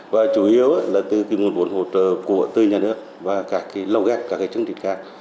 và chủ yếu là từ nguồn vốn hỗ trợ của tư nhà nước và các lâu gác các chương trình khác